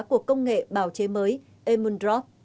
của công nghệ bào chế mới emundrop